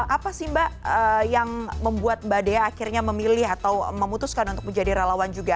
apa sih mbak yang membuat mbak dea akhirnya memilih atau memutuskan untuk memilih